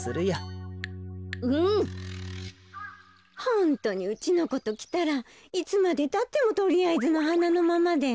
ホントにうちのこときたらいつまでたってもとりあえずのはなのままで。